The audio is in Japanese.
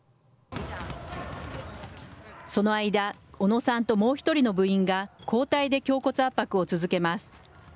その間、小野さんともう１人の部員が交代で胸骨圧迫を続けます。